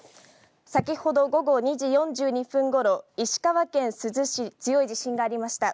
先ほど午後２時４２分ごろ石川県珠洲市、強い地震がありました。